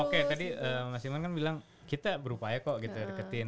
oke tadi mas iman kan bilang kita berupaya kok kita deketin